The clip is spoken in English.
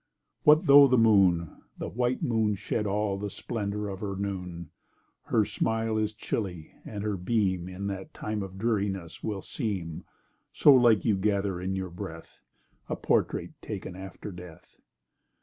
What tho' the moon—tho' the white moon Shed all the splendour of her noon, Her smile is chilly—and her beam, In that time of dreariness, will seem (So like you gather in your breath) A portrait taken after death.